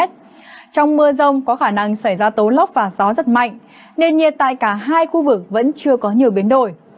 trong mưa rông có khả năng xảy ra tố lốc và gió rất mạnh nền nhiệt tại cả hai khu vực vẫn chưa có nhiều biến đổi